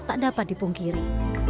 tak dapat dipungkiri